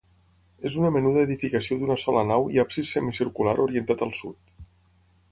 És una menuda edificació d'una sola nau i absis semicircular orientat al sud.